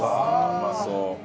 うまそう。